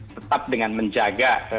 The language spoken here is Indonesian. tetap dengan menjaga